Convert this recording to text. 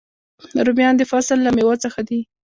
رومیان د فصل له میوو څخه دي